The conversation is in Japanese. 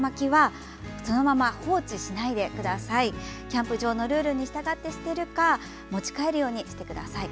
キャンプ場のルールに従って捨てるか持ち帰るようにしてください。